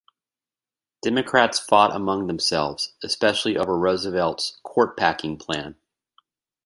Democrats fought among themselves, especially over Roosevelt's "Court Packing" plan.